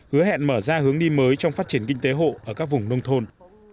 hứa hẹn mở ra hướng đi mới trong phát triển kinh tế hộ ở các vùng nông thôn